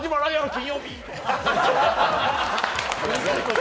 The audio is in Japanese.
金曜日！